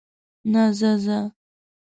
نه، زه، زه.